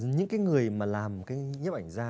những cái người mà làm cái nhếp ảnh da